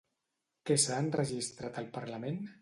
Què s'ha enregistrat al Parlament?